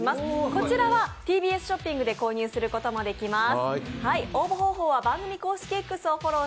こちらはＴＢＳショッピングで購入することもできます。